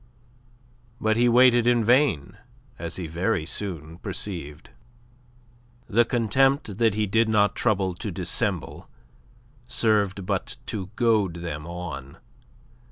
But he waited in vain, as he very soon perceived. The contempt he did not trouble to dissemble served but to goad them on.